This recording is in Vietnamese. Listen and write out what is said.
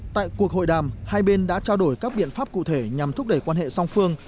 tại cuộc hội đàm hai bên đã trao đổi các biện pháp cụ thể nhằm thúc đẩy quan hệ song phương